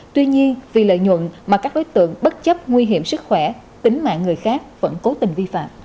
tuy nhiên vì lợi nhuận mà các đối tượng bất chấp nguy hiểm sức khỏe tính mạng người khác vẫn cố tình vi phạm